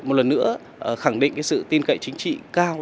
một lần nữa khẳng định cái sự tin cậy chính trị cao